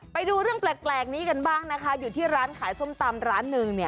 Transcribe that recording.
ไปดูเรื่องแปลกนี้กันบ้างนะคะอยู่ที่ร้านขายส้มตำร้านหนึ่งเนี่ย